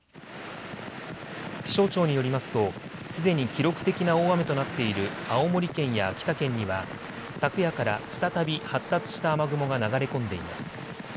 気象庁によりますとすでに記録的な大雨となっている青森県や秋田県には昨夜から再び発達した雨雲が流れ込んでいます。